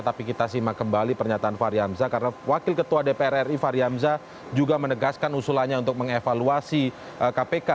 tapi kita simak kembali pernyataan faryamzah karena wakil ketua dpr r i faryamzah juga menegaskan usulannya untuk mengevaluasi kpk